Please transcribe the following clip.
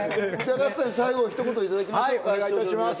葉加瀬さんに最後、ひと言いただきましょう。